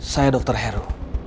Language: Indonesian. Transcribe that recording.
saya dokter heru